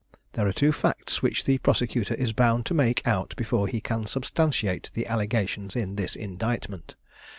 There are two facts which the prosecutor is bound to make out before he can substantiate the allegations in this indictment.